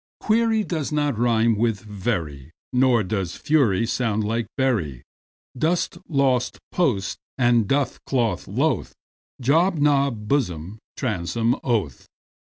Query does not rime with very, Nor does fury sound like bury. Dost, lost, post and doth, cloth, loth; Job, Job, blossom, bosom, oath.